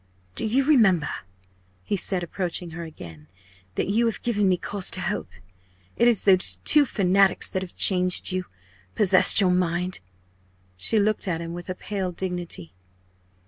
"Do you remember," he said, approaching her again, "that you have given me cause to hope? It is those two fanatics that have changed you possessed your mind." She looked at him with a pale dignity.